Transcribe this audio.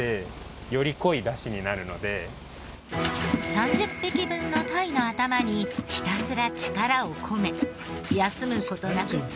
３０匹分の鯛の頭にひたすら力を込め休む事なく１５分。